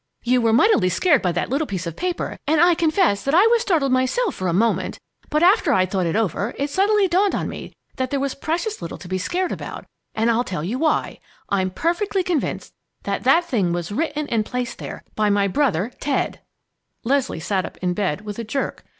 "You were mightily scared by that little piece of paper, and I confess that I was startled myself, for a minute. But after I'd thought it over, it suddenly dawned on me that there was precious little to be scared about, and I'll tell you why. I'm perfectly convinced that that thing was written and placed there by my brother Ted!" Leslie sat up in bed with a jerk.